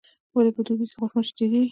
ولي په دوبي کي غوماشي ډیریږي؟